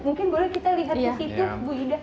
mungkin boleh kita lihat di situ ibu ida